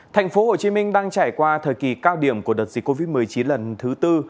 thành phố hồ chí minh đang trải qua thời kỳ cao điểm của đợt dịch covid một mươi chín lần thứ tư